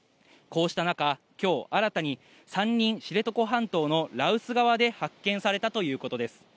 こうした中、きょう新たに３人、知床半島の羅臼側で発見されたということです。